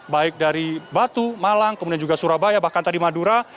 baik dari batu malang kemudian juga surabaya bahkan tadi madura